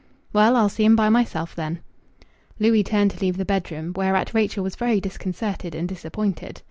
"Well, I'll see him by myself, then." Louis turned to leave the bedroom. Whereat Rachel was very disconcerted and disappointed.